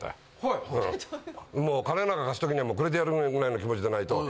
金なんか貸す時にはくれてやるぐらいの気持ちでないと。